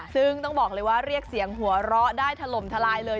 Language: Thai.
ซึ่งต้องบอกเลยว่าเรียกเสียงหัวเราะได้ถล่มทลายเลย